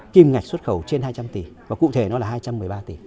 kim ngạch xuất khẩu trên hai trăm linh tỷ và cụ thể nó là hai trăm một mươi ba tỷ